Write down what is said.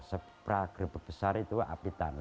sebera gerbek besar itu apitan